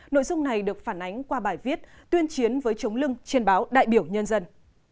nội dung này được phản ánh qua bài viết tuyên chiến với chống lưng trên báo đại biểu nhân dân